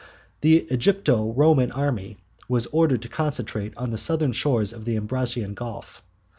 The Egypto Roman army was ordered to concentrate on the southern shores of the Ambracian Gulf.